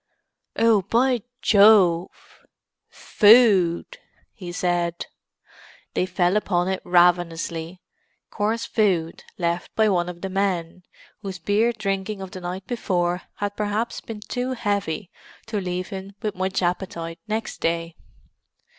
"Oh, by Jove—food!" he said. They fell upon it ravenously; coarse food left by one of the men, whose beer drinking of the night before had perhaps been too heavy to leave him with much appetite next day.